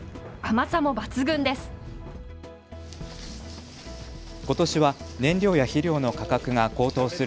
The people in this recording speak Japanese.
甘さも抜群です。